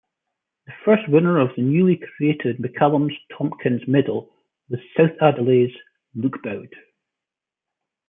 The first winner of the newly created McCallum-Tomkins Medal was South Adelaide's Luke Bowd.